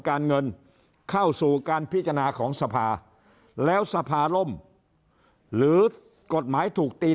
การเงินเข้าสู่การพิจารณาของสภาแล้วสภาล่มหรือกฎหมายถูกตี